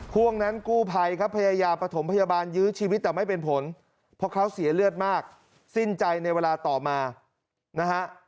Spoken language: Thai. ห่วงนั้นกู้ภัยครับพยายามประถมพยาบาลยื้อชีวิตแต่ไม่เป็นผลเพราะเขาเสียเลือดมากสิ้นใจในเวลาต่อมานะฮะ